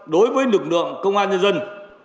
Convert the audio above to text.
đối với lực lượng công an nhân dân